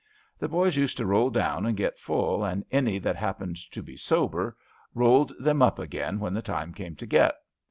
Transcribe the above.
The boys used to roll down and get full, and any that happened to be sober rolled them up again when the time came to get.